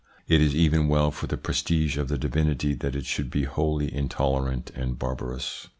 It is even well for the prestige of the divinity that it should be wholly intolerant and barbarous.